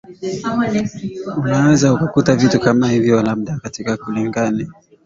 unaweza ukakuta vitu kama hivyo labda katika kulingani